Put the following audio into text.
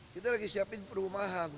kita lagi siapin perumahan